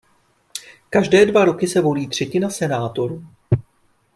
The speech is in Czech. Každé dva roky se volí třetina senátorů.